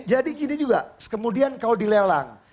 jadi gini juga kemudian kalau dilelang